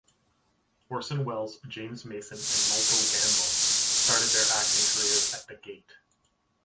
Orson Welles, James Mason and Michael Gambon started their acting careers at The Gate.